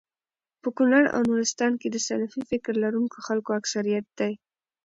په کونړ او نورستان کي د سلفي فکر لرونکو خلکو اکثريت دی